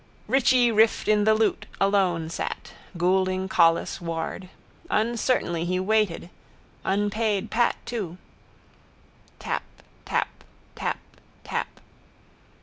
Richie rift in the lute alone sat: Goulding, Collis, Ward. Uncertainly he waited. Unpaid Pat too. Tap. Tap. Tap. Tap.